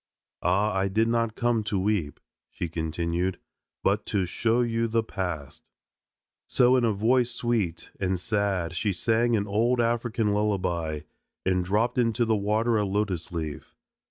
"Ah! I did not come to weep," she continued, "but to show you the past." So in a voice sweet and sad she sang an old African lullaby and dropped into the water a lotus leaf.